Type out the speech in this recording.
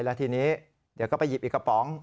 แล้วทีนี้เดี๋ยวก็ไปหยิบอีกกระป๋อง